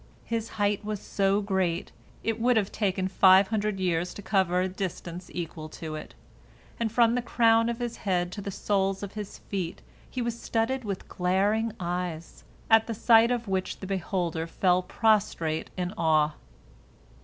His height was so great, it would have taken five hundred years to cover a distance equal to it, and from the crown of his head to the soles of his feet he was studded with glaring eyes, at the sight of which the beholder fell prostrate in awe.